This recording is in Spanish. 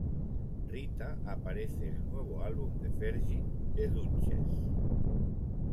Rita aparece en el nuevo álbum de Fergie, "The Dutchess".